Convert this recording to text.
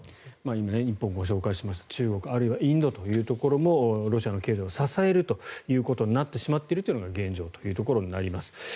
今、日本をご紹介しました中国、あるいはインドというところもロシアの経済を支えるということになってしまっているのが現状というところになります。